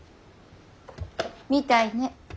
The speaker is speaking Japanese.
みたいね。